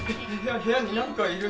部屋になんかいる！